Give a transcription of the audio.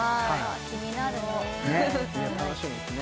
気になるね楽しみですね